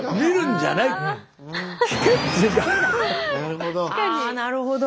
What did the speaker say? なるほど。